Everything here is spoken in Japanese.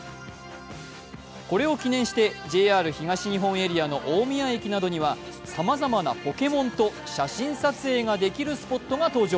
これを記念してＪＲ東日本エリアの大宮駅などにはさまざまなポケモンと写真撮影ができるスポットが登場。